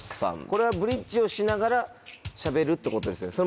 これはブリッジをしながらしゃべるってことですよね。